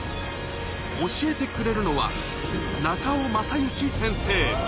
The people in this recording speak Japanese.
教えてくれるのは、中尾政之先生。